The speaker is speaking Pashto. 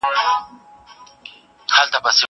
هغه وويل چي ونه مهمه ده!!